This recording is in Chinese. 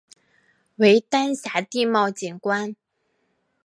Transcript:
为丹霞地貌景观。